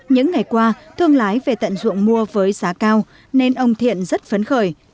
những ngày qua thương lái về tận ruộng mua với giá cao nên ông thiện rất phấn khởi